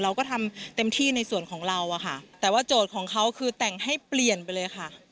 เราก็ทำเต็มที่ในส่วนของเราอะค่ะแต่ว่าโจทย์ของเขาคือแต่งให้เปลี่ยนไปเลยค่ะ